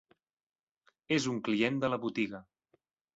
És un client de la botiga.